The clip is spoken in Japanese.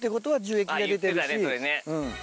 言ってたねそれね。